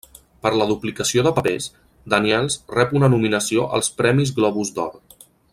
Per la duplicació de papers, Daniels rep una nominació als Premis Globus d'Or.